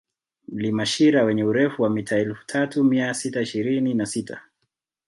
Mlima Shira wenye urefu wa mita elfu tatu mia sita ishirini na sita